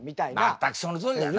全くそのとおりだな！